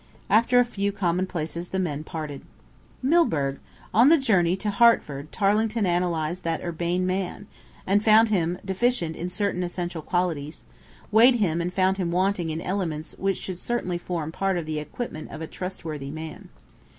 After a few commonplaces the men parted. Milburgh! On the journey to Hertford Tarling analysed that urbane man, and found him deficient in certain essential qualities; weighed him and found him wanting in elements which should certainly form part of the equipment of a trustworthy man.